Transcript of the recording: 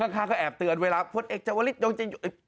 ข้างก็แอบเตือนไว้แล้วคนเอกชาวฤิษฐ์ยงจะยุทธ์